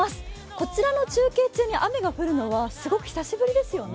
こちらの中継中に雨が降るのはすごく久しぶりですよね。